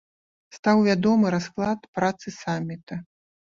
Стаў вядомы расклад працы самміта.